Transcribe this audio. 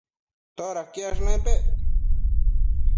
todaquiash nepec?